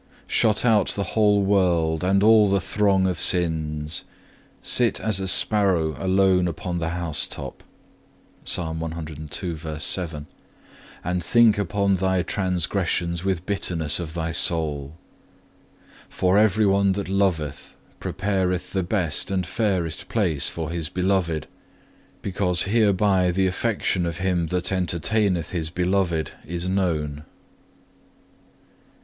Shut out the whole world, and all the throng of sins; sit as a sparrow alone upon the house top,(3) and think upon thy transgressions with bitterness of thy soul. For everyone that loveth prepareth the best and fairest place for his beloved, because hereby the affection of him that entertaineth his beloved is known.